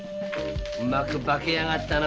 うまく化けやがったな